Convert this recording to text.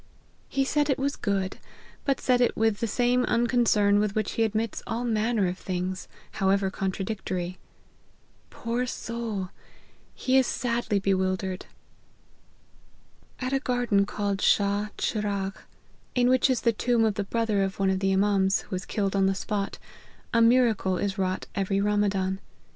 He said it was good, but said it with the same unconcern with which he admits all manner of things, however contradictory. Poor soul! he is sadly bewildered. " At a garden called Shah Chiragh, in which is the tomb of the brother of one of the Imans, who \vas killed on the spot, a miracle is wrought every Ramazan.